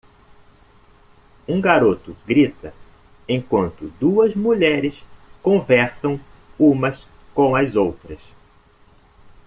Um garoto grita enquanto duas mulheres conversam umas com as outras.